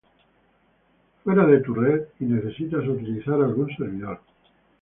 fuera de tu red y necesitas utilizar algún servidor